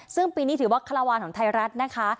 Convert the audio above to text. ซึ่งปีนี้ถือว่าคาราวานของไทยรัฐนะคะ